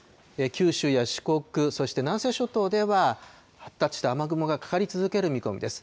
九州や四国、そして南西諸島では発達した雨雲がかかり続ける見込みです。